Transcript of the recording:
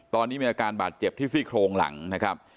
ตอนนี้มีอาการบาดเจ็บที่ซี่โครงหลังนะครับ